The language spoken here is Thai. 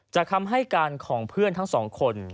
คำให้การของเพื่อนทั้งสองคน